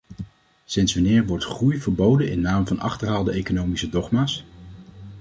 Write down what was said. Sinds wanneer wordt groei verboden in naam van achterhaalde economische dogma's?